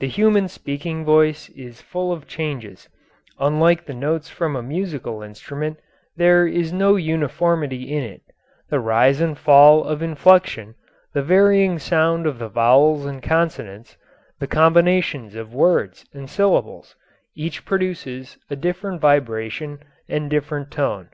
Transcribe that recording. The human speaking voice is full of changes; unlike the notes from a musical instrument, there is no uniformity in it; the rise and fall of inflection, the varying sound of the vowels and consonants, the combinations of words and syllables each produces a different vibration and different tone.